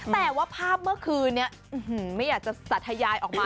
แต่ว่าภาพเมื่อคืนนี้ไม่อยากจะสาธยายออกมา